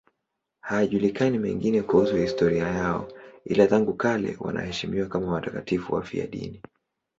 Hayajulikani mengine kuhusu historia yao, ila tangu kale wanaheshimiwa kama watakatifu wafiadini.